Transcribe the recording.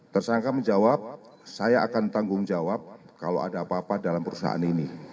tersangka menjawab saya akan tanggung jawab kalau ada apa apa dalam perusahaan ini